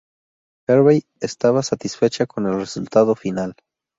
Harvey estaba satisfecha con el resultado final.